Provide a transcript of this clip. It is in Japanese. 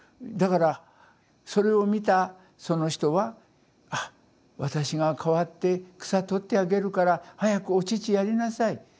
だからそれを見たその人は「ああ私が代わって草取ってあげるから早くお乳やりなさい。